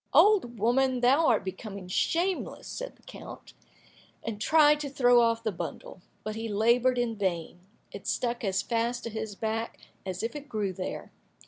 "Old woman, thou art becoming shameless!" said the count, and tried to throw off the bundle, but he laboured in vain; it stuck as fast to his back as if it grew there.